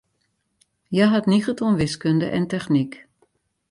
Hja hat niget oan wiskunde en technyk.